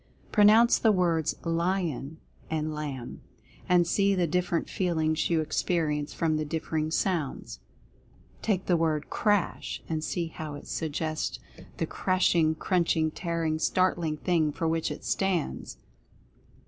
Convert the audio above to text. Pronounce the words "LION" and "LAMB," and see the differ ent feelings you experience from the differing sounds. Take the word "CRASH," and see how it suggests 2i6 Mental Fascination the crashing, crunching, tearing, startling thing for which it stands.